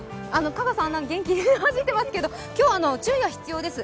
香川さん、元気に走ってますけど、今日、注意が必要です。